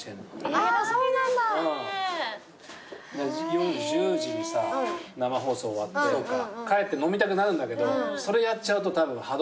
夜１０時にさ生放送終わって帰って飲みたくなるんだけどそれやっちゃうとたぶん歯止め利かないから。